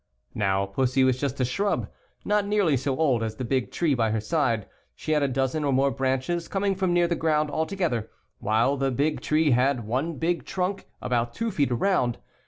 Now, Fussy was just a shnib, not nearly so old as the big tree by her side; she had a dozen or more branches coming from near | the ground all together, while the big tree had one big trunk, '' about two feet around.